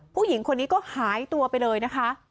ผู้หญิงคนนี้ก็หายตัวไปเลยนะคะ